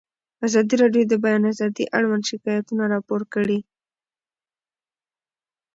ازادي راډیو د د بیان آزادي اړوند شکایتونه راپور کړي.